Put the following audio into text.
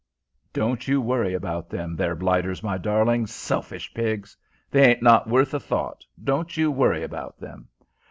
"Don't you worry about them there blighters, my darling. Selfish pigs! they ain't not worth a thought. Don't you worry about them."